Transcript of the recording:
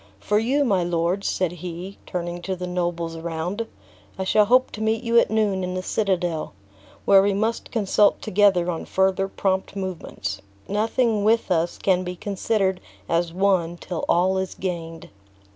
For you, my lords," said he, turning to the nobles around, "I shall hope to meet you at noon in the citadel, where we must consult together on further prompt movements. Nothing with us can be considered as won till all is gained."